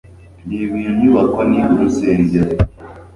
Reba iyo nyubako. Ni urusengero?